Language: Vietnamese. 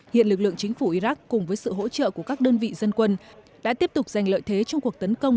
hiện lực lượng chính phủ iraq cùng với sự hỗ trợ của các đơn vị dân quân đã tiếp tục giành lợi thế trong cuộc tấn công